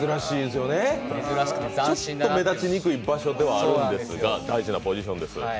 ちょっと目立ちにくい場所ではあるんですが、大事なポジションです。